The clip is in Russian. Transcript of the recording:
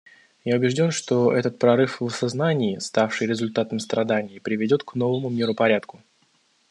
Я убежден, что этот прорыв в осознании, ставший результатом страданий, приведет к новому миропорядку.